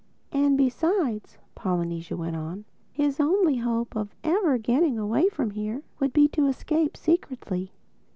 "And besides," Polynesia went on, "his only hope of ever getting away from here would be to escape secretly.